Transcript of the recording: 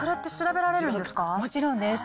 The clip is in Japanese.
もちろんです。